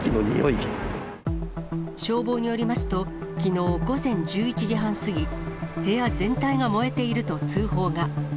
消防によりますと、きのう午前１１時半過ぎ、部屋全体が燃えていると通報が。